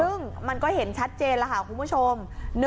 ซึ่งมันก็เห็นชัดเจนแล้วค่ะคุณผู้ชม